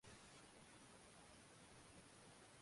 在学校的某一班。